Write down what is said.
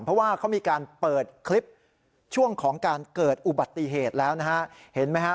เพราะว่าเขามีการเปิดคลิปช่วงของการเกิดอุบัติเหตุแล้วนะฮะเห็นไหมฮะ